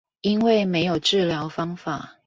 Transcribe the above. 因為沒有治療方法